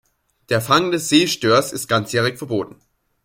Der Fang des See-Störs ist ganzjährig verboten.